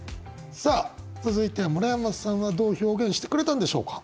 さあ続いて村山さんはどう表現してくれたんでしょうか？